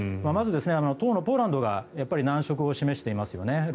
まず、当のポーランドが難色を示していますよね。